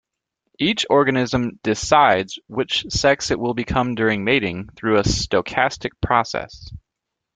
Each organism "decides" which sex it will become during mating, through a stochastic process.